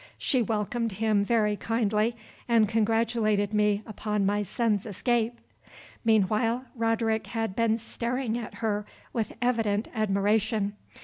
She welcomed him very kindly, and congratulated me upon my son's escape. Meanwhile, Roderick had been staring at her with evident admiration.